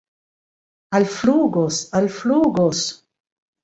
Alflugos, alflugos!